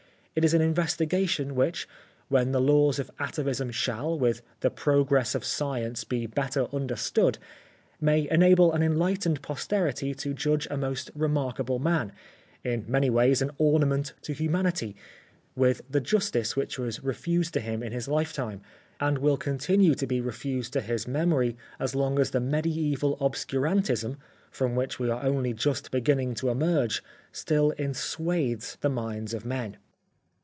It is an investigation, which, when the laws of atavism shall, with the progress of science, be better understood, may enable an enlightened posterity to judge a most remarkable man, in many ways an ornament to humanity, with the justice which was refused to him in his lifetime, and will continue to be refused to his memory as long as the mediaeval obscurantism, from which we are only just beginning to emerge, still enswathes the minds of men.